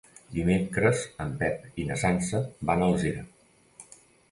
Dimecres en Pep i na Sança van a Alzira.